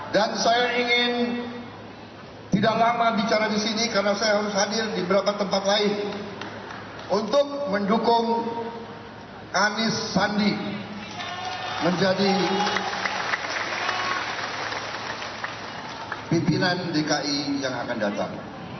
dan saya ingin tidak lama bicara di sini karena saya harus hadir di beberapa tempat lain untuk mendukung anies sandi menjadi pimpinan dki yang akan datang